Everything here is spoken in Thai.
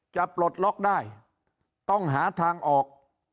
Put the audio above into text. ปลดล็อกได้ต้องหาทางออก